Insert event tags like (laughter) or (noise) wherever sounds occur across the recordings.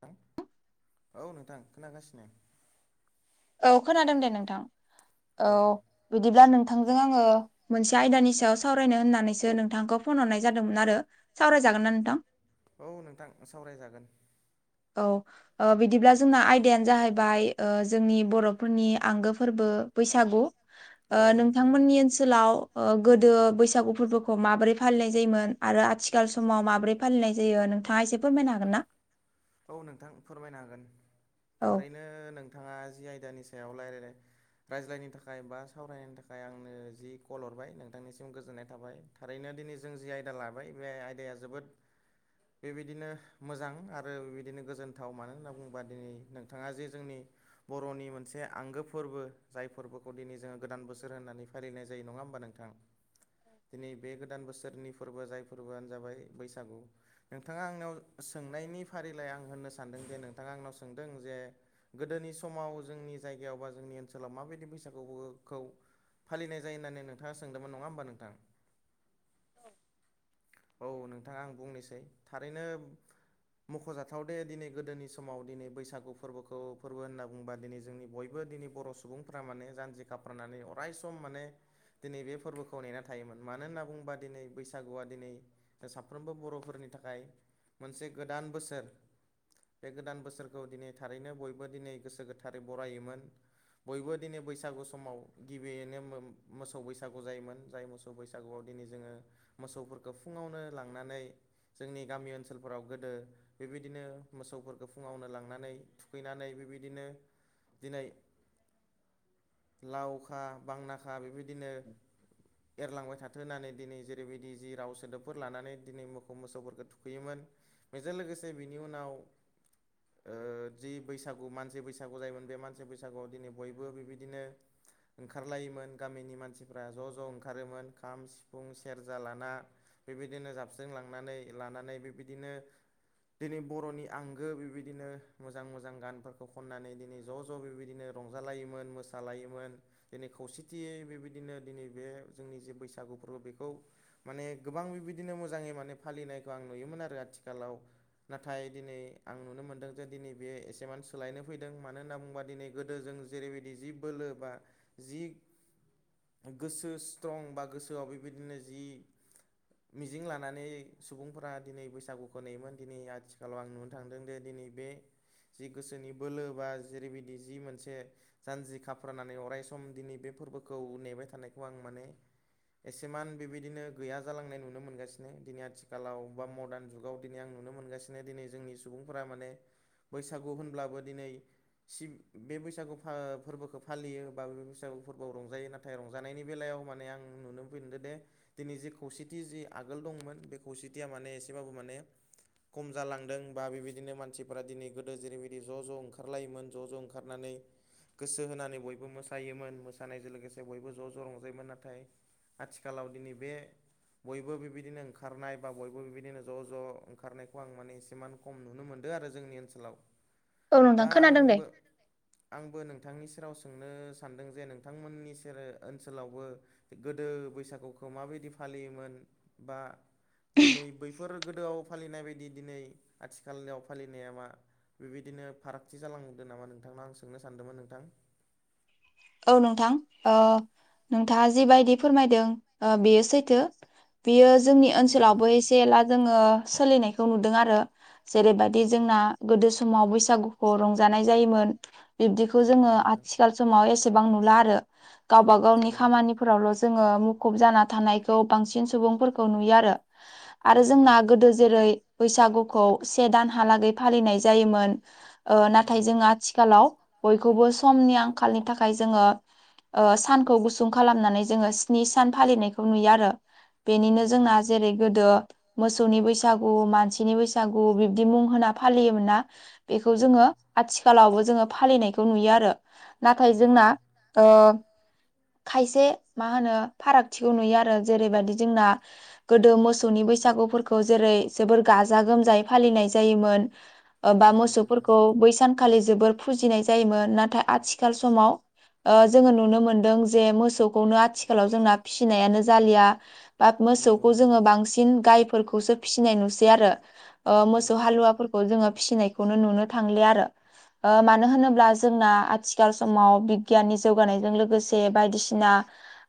थां औ नोंथां खोनागासिनो। औ खोनादों दे नोंथां औ बिदिब्ला नोंथांजों आङो मोनसे आयदानि सायाव सावरायनो होननानैसो नोंथांखौ फन हरनाय जादोंमोन आरो सावरायजागोन ना नोंथां? औ नोंथां सावरायजागोन। औ। ओ बिदिब्ला जोंना आयदायानो जाहैबाय ओ जोंनि बर'फोरनि आंगो फोर्बो बैसागु ओ नोंथांमोननि ओनसोलाव ओ गोदो बैसागु फोर्बोखौ माबोरै फालिनाय जायोमोन आरो आथि थिखाल समाव माब्रै फालिनाय जायो नोंथाङा एसे फोरमायनो हागोन ना? औ नोंथां फोरमायना हागोन थारैनो नोंथाङा जि आयदानि सायाव लायराय रायज्लायनो थाखाय बा सावरायनो थाखाय आंनो जि कल हरबाय नोंथांनिसिम गोजोननाय थाबाय। थारैनो दिनै जों जि आयदा लाबाय बे आयदाया जोबोद बेबायदिनो मोजां आ। रो बिदिनो गोजोनथाव मानो होनना बुङोबा दिनै नोंथाङा जे जोंनि बर'नि मोनसे आंगो फोर्बो जाय फोर्बोखौ दिनै जोङो गोदान बोसोर होननानै फालिनाय जायो नङा होमबा नों थां दिनै बे गोदान बोसोरनि फोर्बो जाय फोर्बोआनो जाबाय बैसागु नोंथाङा आंनाव सोंनायनि फारिलाइ आं होननो सानदों जे नोंथाङा आंनाव सोंदों जे गोदोनि समाव जोंनि जायगायाव बा जोंनि ओनसोलाव माबायदि बैसागुबुखौ फालिनाय जायो होन्नानै नोंथाङा सोंदोंमोन नङा होमबा नोंथां औ औ नोंथाङा आं बुंनोसै थारैनो मख'जाथाव दे दिनै गोदोनि समाव दिनै बैसागु फोर्बोखौ फोर्बो होनना बुंबा दिनै जोंनि बयबो दिनै बर' सु सुबुंफ्रा माने जानजि खाफ्रानानै अराय सम माने दिनै बे फोर्बोखौ नेना थायोमोन मानो होनना बुंङोबा दिनै बैसागुआ दिनै आ साफ्रोमबो बर'फोरनि थाखाय मोनसे गोदान बोसोर बे गोदान बोसोरखौ दिनै थारैनो बयबो दिनै गोसो गोथारै बरायोमोन बयबो दिनै बैसागु समाव गिबियैनो मोम मोसौ बैसागु जायोमोन जाय मोसौ मोसौ बैसागुआव दिनै जोङो मोसौफोरखौ फुङावनो लांनानै जोंनि गामि ओनसोलफोराव गोदो बेबायदिनो मोसौफोरखौ फुङावनो लांनानै थुखैनानै बेबायदिनो दिनै लावखा बांनाखा बेबायद दिनो एरलांबाय थाथ थो होनानै दिनै जेरैबायदि जि राव सोदोबफोर लानानै दिनै मोसौ मोसौफोरखौ थुखैयोमोन बेजों लोगोसे बिनि उनाव (unintelligible) आ जि बैसागु मानसि बैसागु जायोमोन बे मानसि बैसागुआव दिनै बयबो बिबायदिनो ओंखारलायोमोन गामिनि मानसिफ्रा ज' ज' ओंखारोमोन खाम सिफुं सेरजा लाना बेबायदिनो जाबस्रिजों लांनानै लानानै बेबायदिनो दिनै बर'नि आंगो बेबायदिनो मोजां मोजां गानफोरखौ खननानै दिनै ज' ज' बेबायदिनो रंजालायोमोन मोसालायोमोन दिनै खौसेथियै बेबायदिनो दिनै बे जोंनि जे बैसागु फोर्बो बेखौ माने गोबां बेबायदिनो मोजाङै माने फालिनायखौ आं नुयोमोन आरो आथिखालाव नाथाय दिनै आं नुनो मोनदों जे दिनै बे एसेमानो सोलायनो फैदों मानो होनना बुंङोबा दिनै गोदो जों जेरैबायदि जि बोलो बा जि गोसो स्ट्रं बा गोसोआव बेबायदिनो जि मिजिं लानानै सुबुंफोरा दिनै बैसागु खौ नेयोमोन दिनै आथिखालाव आं नुनो थांदों दि दिनै बे जि गोसोनि बोलो बा जेरैबायदि जि मोनसे जानजि खाफ्रानानै अराय सम दिनै बे फोर्बोखौ नेबाय थानायखौ आं माने एसेमान बेबायदिनो गैया जालांनाय नुनो मोनगासिनो दिनै आथिखालाव बा मडार्न जुगाव दिनै आं नुनो मोनगासिनो दिनै जोंनि सुबुंफोरा माने बैसागु होनब्लाबो दिनै सिम बे बैसागु फा फोर्बोखौ फालियो होमबा बे बैसागु फोर्बोआव रंजायो नाथ थाय रंजानायनि बेलायाव माने आं नुनोफिनदो दे दिनै जे खौसेथि जि आगोल दंमोन बे खौसेथिया माने एसेबाबो माने खम जालांदों बा बेबायदिनो मानसिफोरा दिनै गोदो जेरैबायदि ज' ज' ओंखारलायोमोन ज' ज' ओंखारनानै गोसो होनानै बयबो मोसायोमोन मोसानायजों लोगोसे बयबो ज' ज' रंजायोमोन नाथाय आथिखालाव दिनै बे बयबो बेबायदिनो ओंखारनाय बा बयबो बेबायदिनो ज' ज' ओंखारनायखौ आं माने एसे माने खम नुनो मोनदों आरो जोंनि ओनसोलाव। दा आंबो आंबो नोंथांनि सेराव सोंनो सानदों जे नोंथांमोननि सेर ओनसोलावबो गोदो बैसागुखौ माबायदि फालियोमोन बा दिनै बैफोर गोदोआव फालिनाय बायदि दिनै आथिखालाव फालिनाया मा बेबायदिनो फारागथि जालांदों नामा नोंथांनाव आं सोंनो सानदोंमोन नोंथां। औ नोंथां ओ नोंथाङा जिबायदि फोरमायदों ओ बेयो सैथो। बियो जोंनि ओनसोलावबो एसे एला जोङो सोलिनायखौ नुदों आरो। जेरैबायदि जोंना गोदो समाव बैसागु खौ रंजानाय जायोमोन बिब्दिखौ जोङो आथिखाल समाव एसेबां नुला आरो। गावबा गावनि खामानिफोरावल' जोङो मुखुब जाना थानायखौ बांसिन सुबुंफोरखौ नुयो आरो। आरो जोंना गोदो जेरै बैसागुखौ से दानहालागै फालिनाय जायोमोन। ओ नाथाय जोङो आथिखालाव बयखौबो समनि आंखालनि थाखाय जोङो ओ सानखौ गुसुं खालामनानै जोङो स्नि सान फालिनायखौ नुयो आरो। बेनिनो जोंना जेरै गोदो मोसौनि बैसागु, मानसिनि बैसागु बिब्दि मुं होना फालियोमोन ना। बेखौ जोङो आथिखालावबो जोङो फालिनायखौ नुयो आरो। ओमफाय जोंना ओ खायसे मा होनो फारागथिखौ नुयो आरो जेरैबादि जोंना गोदो मोसौनि बैसागुफोरखौ जेरै जोबोर गाजा गोम जाय फालिनाय जायोमोन ओ बा मोसौफोरखौ बै सान खालि जोबोर फुजिनाय जायोमोन नाथाय आथि खाल समाव ओ जोङो नुनो मोन्दों जे मोसौखौनो आ थिखालाव जोंना फिसिनायानो जालिया। बा मोसौखौ जोङो बांसिन गायफोरखौसो फिसिनाय नुसै आरो। ओ मोसौ हालुवाफोर खौ जोङो फिसिनायखौनो नुनो थांलिया आरो मानो होनोब्ला जोंना आथि समाव बिगियाननि जौगानायजों लोगोसे बायदिसिना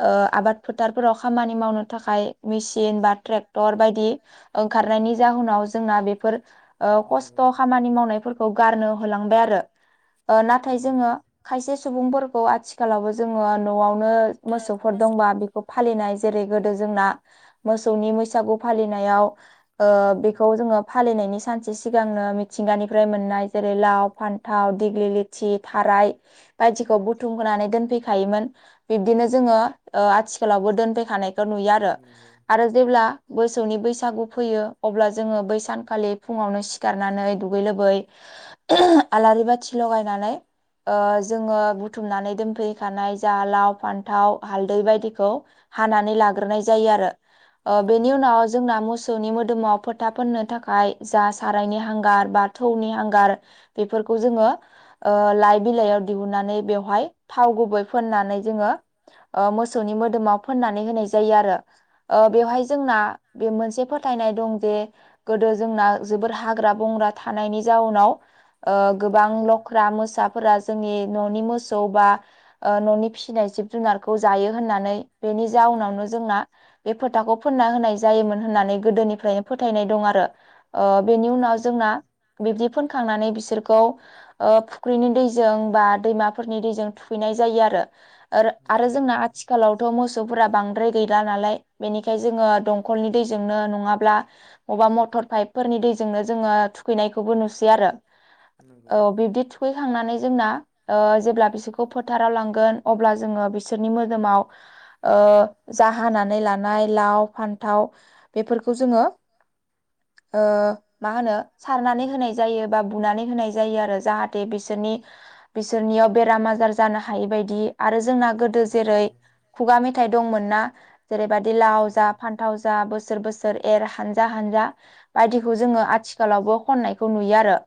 ओ आबाद फोथारफोराव खामानि मावनो थाखाय मेसिन बा ट्रेक्टर बायदि ओंखारनायनि जाहोनाव जोंना बेफोर ओ खस्थ' खामानि मावनायफोरखौ गारनो होलांबाय आरो ओ नाथाय जोङो खायसे सुबुंफोरखौ आथिखालावबो जोङो न'आवनो मोसौफोर दंबा बे फालिनाय जेरै गोदो जोंना मोसौनि बैसागु फालिनायाव ओ बेखौ जोङो फालिनायनि सानसे सिगांनो मिथिंगानिफ्राय मोननाय जेरै लाव, फान्थाव, दिग्लि लिथि, थाराय बायदिखौ बुथुम होनानै दोनफैखायोमोन बिबदिनो जोङो ओ आथि खालावबो दोनफैखानायखौ नुयो आरो आरो जेब्ला मोसौनि बैसागु फैयो अब्ला जोङो बैसानखालि फुङावनो सि खारनानै दुगै लोबै ओहोह आलारि बाथि लगायनानै ओ जोङो बुथुमनानै दोनफैखानाय जा लाव, फान्थाव, हालदै बायदिखौ हानानै लाग्रोनाय जायो आरो। ओ बेनि उनाव जोंना मोसौनि मोदोमाव फोथा फोननो थाखाय जा सारायनि हांगार बा थौनि हांगार बेफोरखौ जोङो ओ लाइ बिलाइयाव दिहुननानै बेवहाय थाव गुबै फोननानै जोङो ओ मोसौनि मोदोमाव फोननानै होनाय जायो आरो। ओ बेवहाय जोंना बे मोनसे फोथायनाय दं जे गोदो जोंना जोबोर हाग्रा बंग्रा थानायनि जाउनाव गोबां लख्रा, मो फोरा जोंनि न'नि मोसौ बा न'नि फिसिनाय जिब जुनारखौ जायो होननानै बेनि जाउनावनो जोंना बे फोथाखौ फोनना होनाय जायोमोन होननानै गोदोनिफ्रायनो फोथायनाय दं आरो ओ बेनि उनाव जोंना बिब्दि फोनखांनानै बिसोरखौ ओ फुख्रिनि दै जों बा दैमाफोरनि दैजों थुखैनाय जायो आरो। ओरो आरो जोंना आथिखालावथ' मोस सौफोरा बांद्राय गैला नालाय बेनिखाय जोङो दंखलनि दैजोंनो नङाब्ला अबेबा मटर पाइपफोरनि दैजोंनो जोङो थुखैनायखौबो नुसैयो आरो औ बिबदिु थुखैखांनानै जोंना जेब्ला बिसोरखौ फोथाराव लांगोन अब्ला जोङो बिसोरनि मोदोमाव जाहानानै लानाय लाव फान्थाव बेफोरखौ जोङो मा होनो सारनानै होनाय जायो बा बुनानै होनाय जायो आरो जाहाथे बिसोरनि बिसोरनियाव बेराम आजार जानो हायि बायदि आरो जोंना गोदो जेरै खुगा मेथाइ दंमोन ना जेरैबादि लाव जा फान्थाव जा जा बोसोर बोसो र एर हानजा हानजा बायदिखौ जोङो आथिखालावबो खननायखौ नुयो आरो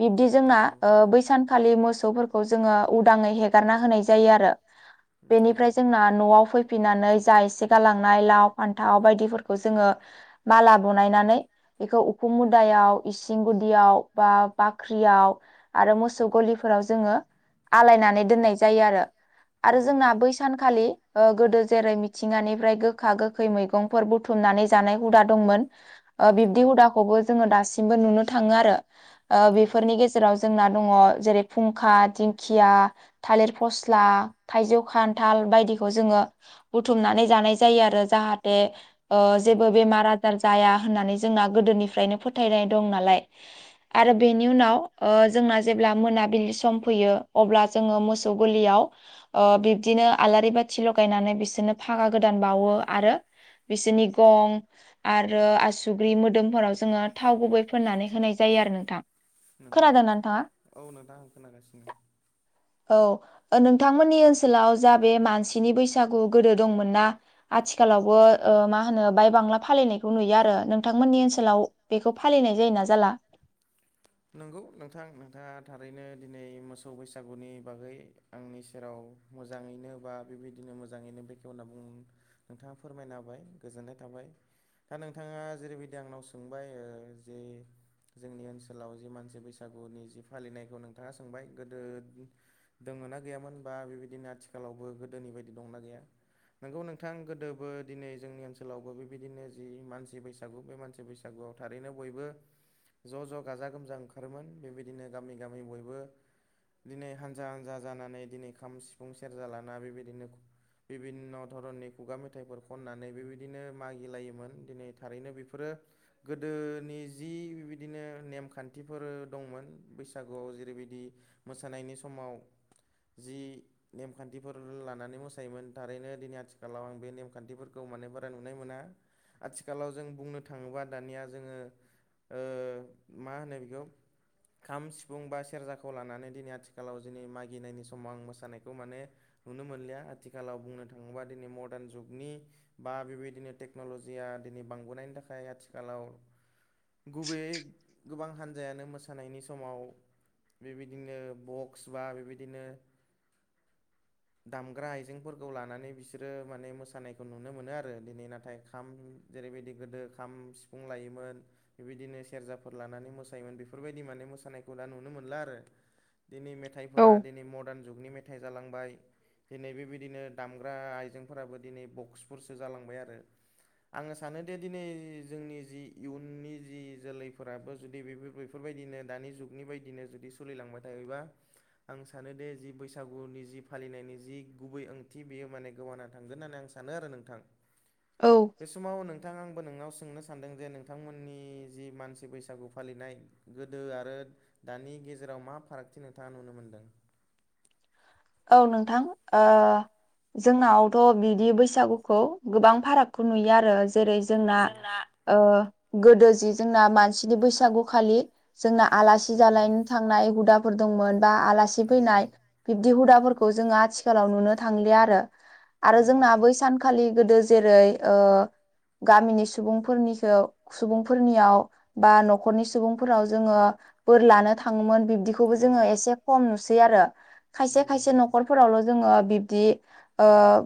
बिब्दि जोंना बैसानखालि मोसौफोरखौ जोङो उदाङै हेगारना होनाय जायो आरो बेनिफ्राय जोंना न'आव फैफिनानै जा एसे गालांनाय लाव फान्थाव बायदिफोरखौ जोङो माला बनायनानै बेखौ उखुम मुदायाव इसिं गुदियाव बा बाख्रियाव आरो मोसौ गलिफोराव जोङो आलायनानै दोननाय जायो आरो आरो जोंना बैसाग सानखालि गोदो जेरै मिथिंगानिफ्राय गोखा गोखै मैगं बुथुमनानै जानाय हुदा दंमोन बिबदि हुदाखौबो जोङो दासिमबो नुनो थाङो आरो बेफोरनि गेजेराव जोंना दङ जेरै फुंखा दिंखिया थालिर फस्ला थाइजौ खान्थाल बायदिखौ जोङो बुथुमनानै जानाय जायो आरो जाहाथे जेबो बेमार आजार जाया होननानै जोंना गोदोनिफ्रायनो फोथायनाय दं नालाय आरो बेनि उनाव जोंना जे अब्ला मोनाबिलि सम फैयो अब्ला जोङो मोसौ गोरलियाव बिब्दिनो आलारि बाथि लगायनानै बिसोरनो फागा गोदान बावो आरो बिसोरनि गं आरो आसुग्रि मोदोमफोराव जोङो थाव गुबै फोननानै होनाय जायो आरो नोंथां खोनादोंना नोंथाङा औ नोंथां आं खोनागासिनो औ नोंथांमोननि ओनसोलाव जा बे मानसिनि बैसागु गोदो दंमोन ना आथिखालावबो मा होनो बाय बांला फालिनायखौ नुयो आरो नोंथांमोननि ओनसोलाव बेखौ फालिनाय जायोना जाला नंगौ नोंथां नोंथाङा थारैनो दिनै मोसौ बैसागुनि बागै आंनि सेराव मोजाङैनो बा बेबायदिनो मोजाङैनो बेखेवना बुं नोंथाङा फोरमायना हाबाय गोजोननाय थाबाय दा नोंथाङा जेरैबायदि आंनाव सोंबाय जे जोंनि ओनसोलाव ओनसोलाव जि मानसि बैसागुनि जि फालिनायखौ नोंथाङा सोंबाय गोदो दोङो ना गैयामोन बा बेबायदिनो आथिखालावबो गोदोनि बायदि दंना गैया नोंगौ नोंथां गोदोबो दिनै जोंनि ओनसोलावबो बेबायदिनो जि मानसि बैसागु बे मानसि बैसागु बैसागुआव थारैनो बयबो ज' ज' गाजा गोमजा ओंखारोमोन बेबायदिनो गामि गामि बयबो दिनै हानजा हानजा जानानै दिनै खाम सिफुं सेरजा लाना बेबायदिनो बिभिन्न' धरननि खुगा मेथाइफोर खननानै बेबायदिनो मागिलायोमोन दिनै थारैनो बेफोरो गोदोनि जि बिबायदिनो नेम खान्थिफोर दंमोन बैसागुआव जेरैबायदि मोसानायनि समाव जि नेमखान्थिफोर लानानै मोसायोमोन थारैनो दिनै आथिखालाव आं बे नेमखान्थिफोरखौ माने बारा नुनाय मोना आथिखालाव जों बुंनो थाङोबा दानिया जोङो ओ मा होनो बेखौ खाम सिफुं बा सेरजाखौ लानानै दिनै आथिखालाव दिनै मागिनायनि समाव आं मोसानायखौ माने नुनो मोनलिया आथिखालाव बुंनो थाङोबा दिनै मर्दार्न जुगनि बा बेबायदिनो टेक्न'लजिया दिनै बांबोनायनि थाखाय आथिखालाव गुबैयै गोबां हान्जायानो मोसानायनि समाव बेबायदिनो बक्स बा बेबायदिनो दामग्रा आइजेंफोरखौ लानानै बिसोरो माने मोसानायखौ नुनो मोनो आरो दिनै नाथाय खाम जेरैबायदि गोदो खाम सिफुं लायोमोन बेबायदिनो सेरजाफोर लानानै मोसायोमोन बेफोरबायदि मान मोसानायखौ नुनो मोनला आरोै मेथ मेथाइफोरा दिनै मर्दार्न जुगनि मेथाइ जालांबाय दिनै बेबायदिनो दामग्रा आइजेंफोराबो दिनै बक्सफोरसो जालांबाय आरो आङो सानोदि दिनै जोंनि जि इयुननि जि जोलैफोर फोराबो जुदि बे बेफोरबायदिनो दानि जुगनि बायदिनो जुदि सोलिलांबाय थायोबा आं सानो दिे जि बैसागुनि जि फालिनायनि जि गुबै ओंथि बेयो माने गोबाना थांगोन होननानै आं स सानो आरो नोंथां औ बे समाव नोंथाङा आंबो नोंनाव सोंनो सानदों जे नोंथांमोननि जि मानसि बैसागु फालिनाय गोदो आरो दानि गेजेराव मा फारागथि नोंथाङा नुनो मोनदों औ नोंथां जोंनावथ' बिदि बैसागुखौ गोबां फारागखौ नुयो आरो जेरै जोंना गोदो जि जोंना मानसिनि बैसागुखालि जोंना आलासि जालायनो थांनाय हुदाफोर दंमोन बा आलासि फैनाय दि हुदाफोरखौ जोङो आथिखालाव नुनो थांलिया आरो आरो जोंना बै सानखालि गोदो जेरै गामिनि सुबुंफोरनिखौ सुबुंफोरनियाव बा न'खरनि सुबुंफोराव जोङो बोर लानो थाङोमोन बिदिखौबो जोङो एसे खम नुसै आरो खायसे खायसे न'खरफोरावल' जोङो बिब्दि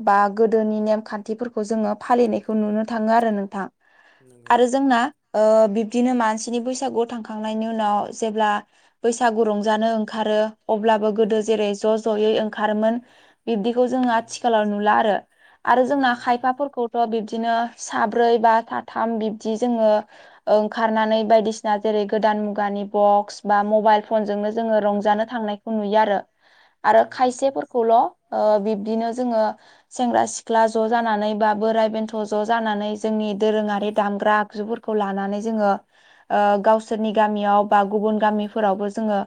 बा गोदोनि नेमखान्थिफोरखौ जोङो फालिनायखौ नुनो थाङो आरो नोंथां आरो जोंना बिब्दिनो मानसिनि बैसागुआव थांखांनायनि उनाव नाव जेब्ला बैसागु रंजानो ओंखारो अब्लाबो गोदो जेरै ज'ै ओंखारोमोन बिदिखौ जोो आथिखालाव नुला आरो आरो जोंना खायफाफोरखौ ' बिब्दिनो साब्रै बा साथाम बिब्दि जोङो ओंखारनानै बायदिसिना जेरै गोदान मुगानि बक्स बा मब मबाइल फनजोंनो जोङो रंजानो थांनायखौ नुयो आरो आरो खायसेफोरखौल' बिब्दिनो जोङो सेंग्रा सिख्ला ज' जानानै बा बोराय बेन्थ' ज' जानानै जोंनि दोरोङारि दामग्रा आगजुफोरखौ ज ग ओनसोरनि गामियाव बा गुबुन गामिफोरावबो जोङो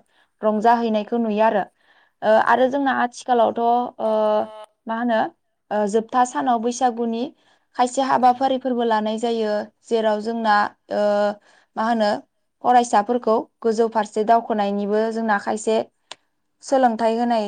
रंजाहैनायखौ नुयो आरो आरो जोंना आथिखालावथ' मा होनो जोबथा सानाव बैसागुनि खायसे हाबाफारिफोरबो लानाय जायो जेराव जोंना मा होनो फरायसाफोरखौ गोजौ फारसे दावखोनायनिबो जोंना खायसे सोलों हाथाय होनाय